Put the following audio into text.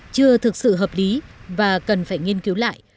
chưa thực sự hợp lý và cần phải nghiên cứu lại